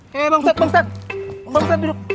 hei bang ustaz bang ustaz bang ustaz duduk